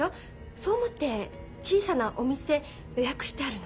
そう思って小さなお店予約してあるの」。